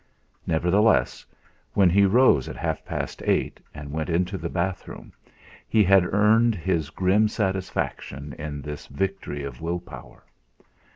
Nevertheless, when he rose at half past eight and went into the bathroom, he had earned his grim satisfaction in this victory of will power.